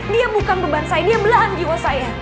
dia bukan beban saya dia belahan jiwa saya